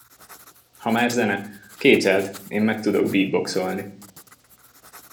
Ha már zene, képzeld, én meg tudok beatboxolni.